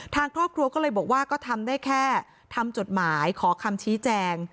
ทางครอบครัวก็เลยบอกว่าก็ทำได้แค่ทำจดหมายขอคำชี้แจง